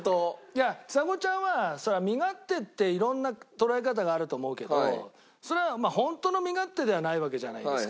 いやちさ子ちゃんはそりゃ身勝手っていろんな捉え方があると思うけどそれは本当の身勝手ではないわけじゃないですか。